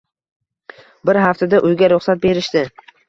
Bir haftada uyga ruxsat berishdi